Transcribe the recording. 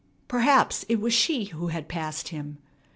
Perhaps it was she who had passed him.